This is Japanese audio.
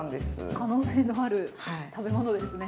可能性のある食べ物ですね。